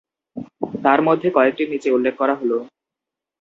তার মধ্যে কয়েকটি নিচে উল্লেখ করা হলো